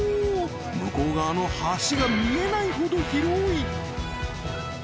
向こう側の端が見えないほど広い！